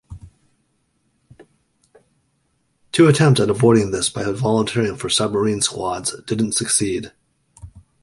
Two attempts at avoiding this by volunteering for submarine squads didn't succeed.